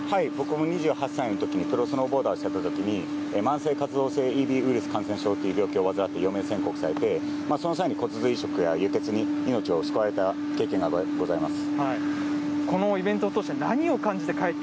僕も２８歳のときに、プロスノーボーダーをしていたときに、慢性活動性感染症という病気を患って余命宣告されて、その際に骨髄移植や輸血に命を救われた経験がございます。